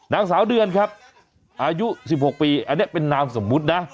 นางสาวเดือนครับอายุ๑๖ปีอันนี้เป็นนามสมมุตินะ